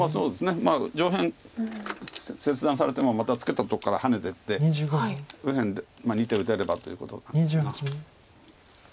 まあ上辺切断されてもまたツケたとこからハネてって右辺で２手打てればということなのかな。